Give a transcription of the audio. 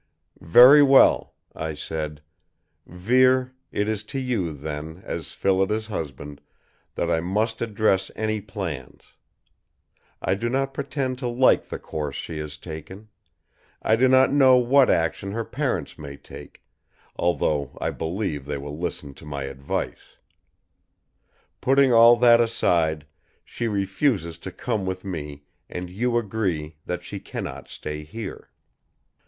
"Very well," I said. "Vere, it is to you, then, as Phillida's husband, that I must address any plans. I do not pretend to like the course she has taken. I do not know what action her parents may take, although I believe they will listen to my advice. Putting all that aside, she refuses to come with me and you agree that she cannot stay here.